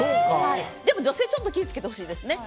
でも、女性はちょっと気をつけてほしいですね。